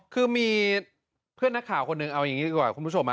คือมีเพื่อนนักข่าวคนหนึ่งเอาอย่างนี้ดีกว่าคุณผู้ชม